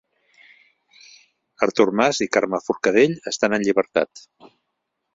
Artur Mas i Carme Forcadell estan en llibertat